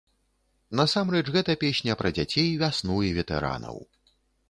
Насамрэч гэта песня пра дзяцей, вясну і ветэранаў.